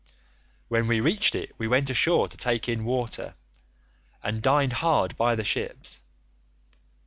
"When we reached it we went ashore to take in water, and dined hard by the ships.